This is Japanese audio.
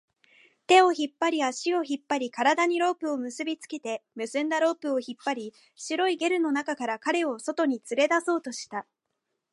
手を引っ張り、足を引っ張り、体にロープを結びつけて、結んだロープを引っ張り、白いゲルの中から彼を外に連れ出そうとした